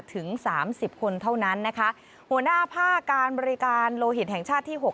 ถึงสามสิบคนเท่านั้นนะคะหัวหน้าภาคการบริการโลหิตแห่งชาติที่หก